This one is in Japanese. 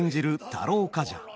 太郎冠者。